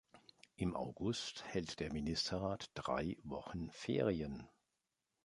Im August hält der Ministerrat drei Wochen Ferien.